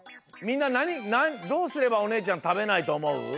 みんなどうすればおねえちゃんたべないとおもう？